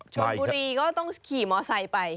ชนบุรีก็ต้องขี่มอไซค์ไป